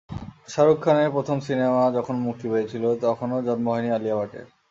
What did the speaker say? শাহরুখ খানের প্রথম সিনেমা যখন মুক্তি পেয়েছিল, তখনো জন্ম হয়নি আলিয়া ভাটের।